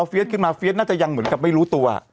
สขึ้นมาเฟียสน่าจะยังเหมือนกับไม่รู้ตัว